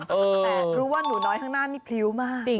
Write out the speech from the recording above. แต่รู้ว่าหนูน้อยข้างหน้านี่พริ้วมาก